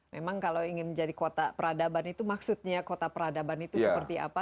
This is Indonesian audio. memang kalau ingin menjadi kota peradaban itu maksudnya kota peradaban itu seperti apa